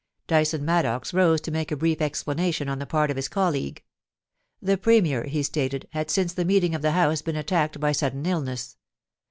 Dyson Maddox rose to make a brief explanation on the part of his colleague. The Premier, he stated, had since the meeting of the House been attacked by sudden illness.